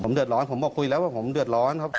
เดือดร้อนผมบอกคุยแล้วว่าผมเดือดร้อนครับ